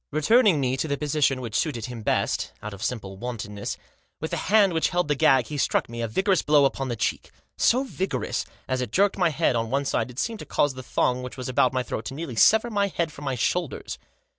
Returning me to the posi tion which suited him best, out of simple wantonness, with the hand which held the gag he struck me a vigorous blow upon the cheek ; so vigorous that, as it jerked my head on one side it seemed to cause the thong which was about my throat to nearly sever my head from my shoulders.